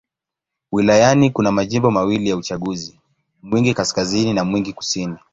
Wilayani kuna majimbo mawili ya uchaguzi: Mwingi Kaskazini na Mwingi Kusini.